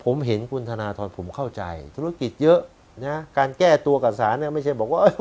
ผมเห็นคุณธนทรผมเข้าใจธุรกิจเยอะนะการแก้ตัวกับสารเนี่ยไม่ใช่บอกว่าเออ